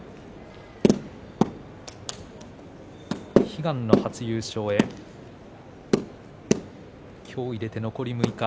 悲願の初優勝へ今日を入れて残り６日